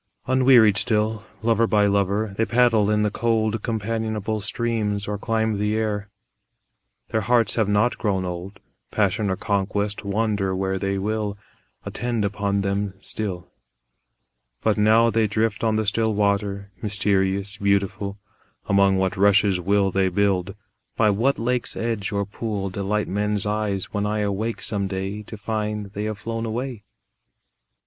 Unwearied still, lover by lover, They paddle in the cold Companionable streams or climb the air; Their hearts have not grown old; Passion or conquest, wander where they will, Attend upon them still. But now they drift on the still water, Mysterious, beautiful; Among what rushes will they build, By what lake's edge or pool Delight men's eyes when I awake some day To find they have flown away?